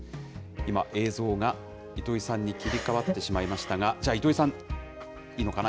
今、映像が糸井さんに切り替わってしまいましたが、じゃあ、糸井さん、いいのかな？